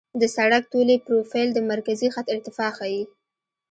د سړک طولي پروفیل د مرکزي خط ارتفاع ښيي